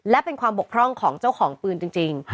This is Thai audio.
และเป็นความบกพร่องของเจ้าของปืนจริง